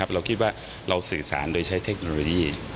เราคิดว่าเราสื่อสารโดยใช้เทคโนโลยี